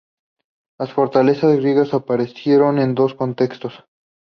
Las fortalezas griegas aparecieron en dos contextos.